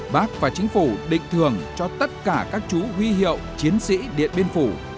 bác và chính phủ định thường cho tất cả các chú huy hiệu chiến sĩ điện biên phủ